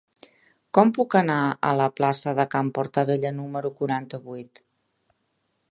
Com puc anar a la plaça de Can Portabella número quaranta-vuit?